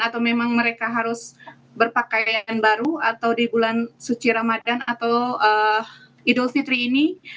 atau memang mereka harus berpakaian baru atau di bulan suci ramadan atau idul fitri ini